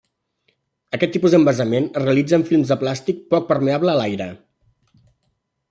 Aquest tipus d'envasament es realitza en films de plàstic poc permeable a l'aire.